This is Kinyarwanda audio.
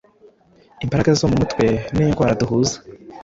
Imbaraga zo mumutwe n'indwara duhuza